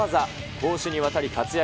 攻守にわたり活躍。